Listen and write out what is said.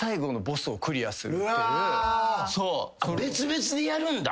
別々でやるんだ。